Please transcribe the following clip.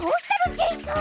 ジェイソン！